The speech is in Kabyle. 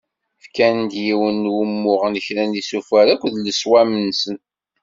Ffkan-d yiwen n wumuɣ n kra n yisufar akked leswam-nsen.